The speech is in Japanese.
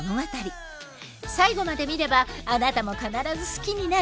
最後まで見ればあなたも必ず好きになる！